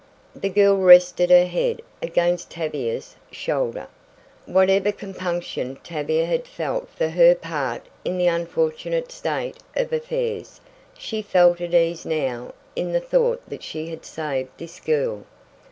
The girl rested her head against Tavia's shoulder. Whatever compunction Tavia had felt for her part in the unfortunate state of affairs, she felt at ease now in the thought that she had saved this girl.